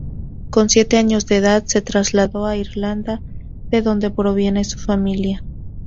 Con siete años de edad, se trasladó a Irlanda, de donde proviene su familia.